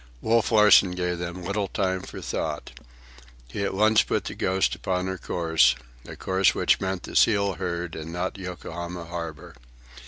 Wolf Larsen gave them little time for thought. He at once put the Ghost upon her course—a course which meant the seal herd and not Yokohama harbour.